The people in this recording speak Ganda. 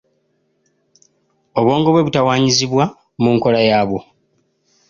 Obwongo bwe butawaanyizibwa mu nkola yaabwo.